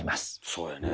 そうやね。